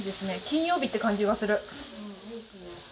金曜日って感じがする。